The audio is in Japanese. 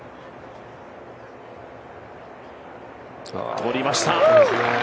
取りました。